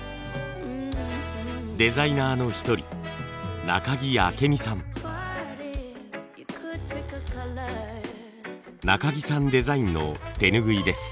デザイナーの一人中木さんデザインの手ぬぐいです。